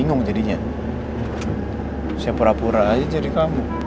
aku masih harus sembunyikan masalah lo andin dari mama